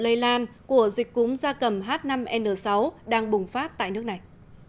sự lây lan của dịch cúm da cầm h năm n sáu đang bùng phát tại nước này